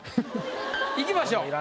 いきましょう。